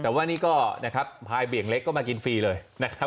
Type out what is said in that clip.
แต่ว่านี่ก็นะครับพายเบี่ยงเล็กก็มากินฟรีเลยนะครับ